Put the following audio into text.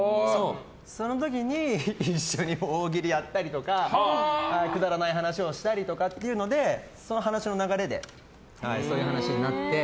その時に一緒に大喜利やったりくだらない話をしたりとかでその話の流れでそういう話になって。